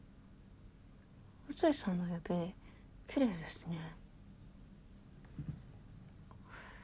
宇津井さんの指きれいですね。